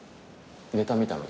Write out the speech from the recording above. ネタ見たの？